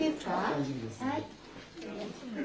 大丈夫です。